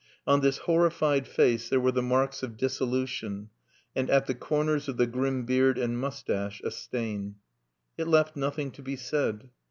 On this horrified face there were the marks of dissolution, and, at the corners of the grim beard and moustache, a stain. It left nothing to be said.